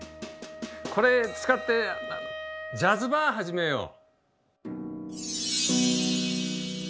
これ使ってジャズバー始めよう。